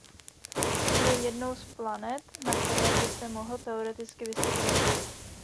Je jednou z planet na které by se mohl teoreticky vyskytovat život.